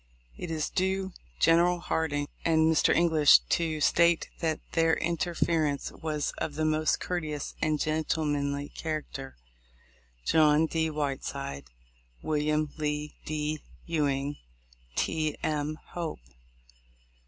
It is due General Hardin and Mr. English to state that their interference was of the most courteous and gentlemanly character. John D. Whiteside. Wm. Lee D. Ewing. T. M. Hope.